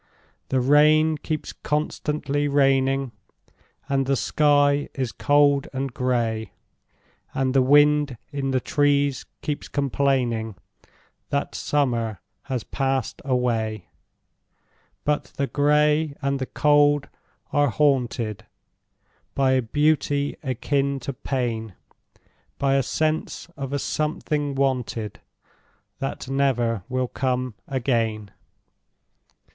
The rain keeps constantly raining, And the sky is cold and gray, And the wind in the trees keeps complainingThat summer has passed away;—But the gray and the cold are hauntedBy a beauty akin to pain,—By a sense of a something wanted, That never will come again.